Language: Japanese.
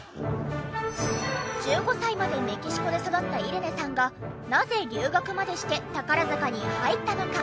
１５歳までメキシコで育ったイレネさんがなぜ留学までして宝塚に入ったのか！？